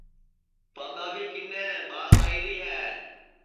پادؔا بھی کِنے ٻاس آئیری ہے